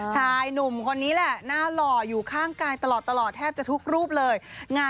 ถ้ามีหนุ่มแล้วคุณรู้ได้ยังไงคะ